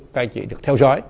các anh chị được theo dõi